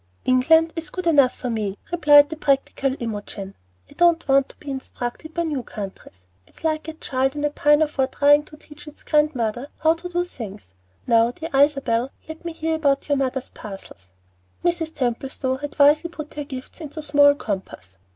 "England is good enough for me," replied the practical Imogen. "I don't want to be instructed by new countries. It's like a child in a pinafore trying to teach its grandmother how to do things. Now, dear Isabel, let me hear about your mother's parcels." Mrs. Templestowe had wisely put her gifts into small compass.